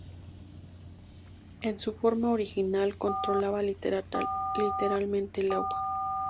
En su forma original, controlaba literalmente el agua.